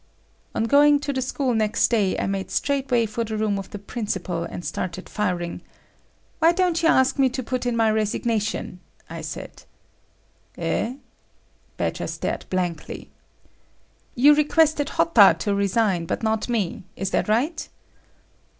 On going to the school next day I made straightway for the room of the principal and started firing; "Why don't you ask me to put in my resignation?" I said. "Eh?" Badger stared blankly. "You requested Hotta to resign, but not me. Is that right?"